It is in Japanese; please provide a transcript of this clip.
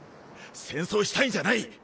戦争したいんじゃない。